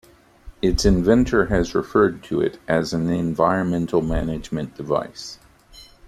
Its inventor has referred to it as "an environmental management device".